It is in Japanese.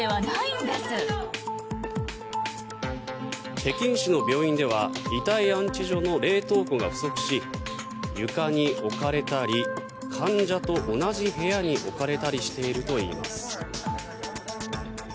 北京市の病院では遺体安置所の冷凍庫が不足し床に置かれたり患者と同じ部屋に置かれたりしているといいます。